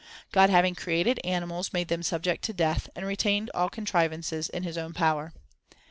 God having created animals made them subject to death, and retained all contrivances in his own power.